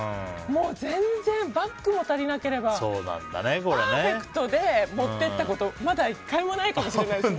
全然バッグも足りなければパーフェクトで持っていったことまだ１回もないかもしれないです。